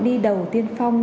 đi đầu tiên phong